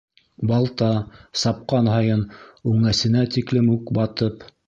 Балта, сапҡан һайын, үңәсенә тиклем үк батып